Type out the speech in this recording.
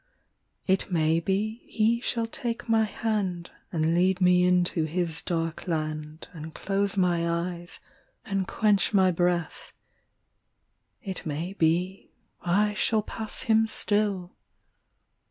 It may be he shall take my hand And lead me into his dark land And close my eyes and quench my breath It may be I shall pass him still.